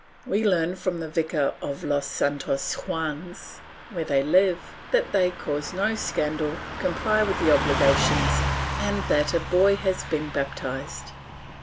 We learn from the Vicar of Los Santos Juanes, where they live, that they cause no scandal, comply with the obligations and that a boy has been baptized.